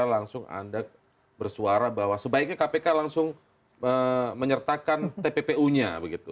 langsung anda bersuara bahwa sebaiknya kpk langsung menyertakan tppu nya begitu